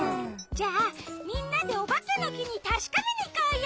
じゃあみんなでおばけのきにたしかめにいこうよ！